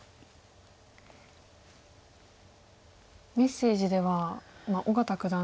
メッセージでは小県九段